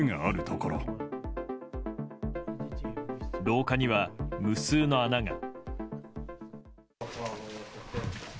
廊下には無数の穴が。